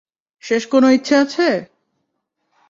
শেষ কোনও ইচ্ছা আছে?